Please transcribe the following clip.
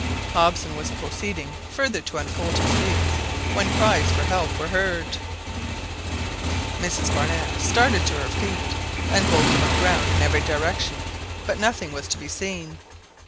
Hobson was proceeding further to unfold his views when cries for help were heard. Mrs Barnett started to her feet, and both looked round in every direction, but nothing was to be seen.